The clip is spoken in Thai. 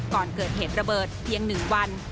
ก่อนเกิดเหตุระเบิดเพียง๑วัน